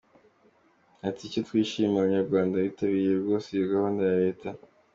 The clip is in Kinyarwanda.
Ati “Icyo twishimira, Abanyarwanda bitabiriye rwose iyo gahunda ya leta.